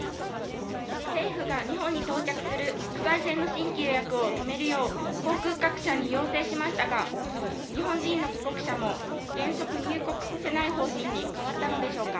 政府が日本に到着する国際線の新規予約を止めるよう航空各社に要請しましたが日本人の帰国者も原則、入国させない方針に変わったのでしょうか。